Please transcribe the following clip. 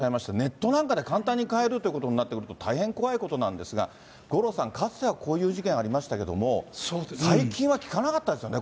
ですから、まずはこの硫酸っていうのは、今、おおたわさんおっしゃいましたネットなんかで簡単に買えるということになってくると、大変怖いことなんですが、五郎さん、かつてはこういう事件ありましたけれども、最近は聞かなかったですよね、